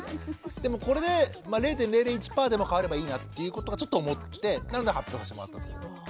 でもこれで０．００１％でも変わればいいなっていうことはちょっと思ってなので発表させてもらったんですけどね。